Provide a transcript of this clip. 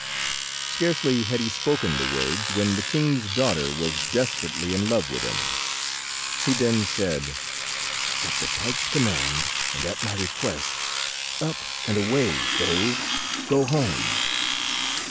Scarcely had he spoken the words, when the king's daughter was desperately in love with him. He then said— "At the pike's command, and at my request, up and away, stove, go home."